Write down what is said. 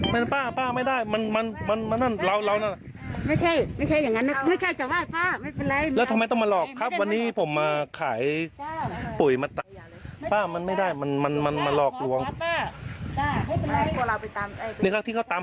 มิจฉาชีพทำแล้วมันรวยไหม